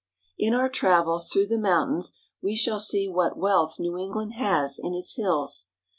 In our travels through the mountains we shall see what wealth New England has in its hills.